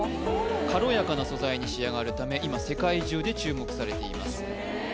軽やかな素材に仕上がるため今世界中で注目されています